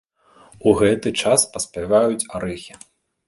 У гэты час паспяваюць арэхі.